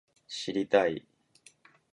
知りたい